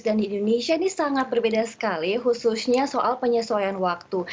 dan di inggris ini sangat berbeda sekali khususnya soal penyesuaian waktu